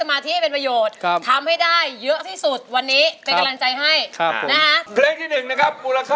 มาเองแล้วช่ยังจะชวนคุย